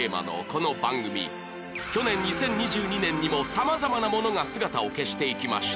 去年２０２２年にも様々なものが姿を消していきました